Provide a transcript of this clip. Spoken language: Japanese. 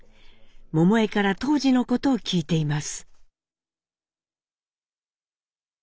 桃枝から当時のことを聞いています。